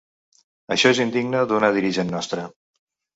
Això és indigne d'una dirigent nostra.